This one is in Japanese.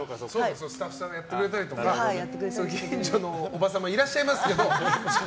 スタッフさんがやってくれたりとかそういう近所のおばさまいらっしゃいますけど。